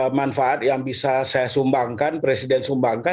ada manfaat yang bisa saya sumbangkan presiden sumbangkan